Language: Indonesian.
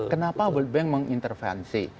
kenapa world bank mengintervensi